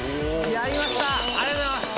ありがとうございます。